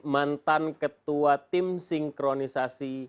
mantan ketua tim sinkronisasi